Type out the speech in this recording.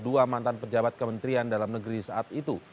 dua mantan pejabat kementerian dalam negeri saat itu